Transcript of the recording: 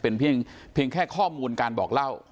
เป็นเพียงแค่ข้อมูลการบอกเล่า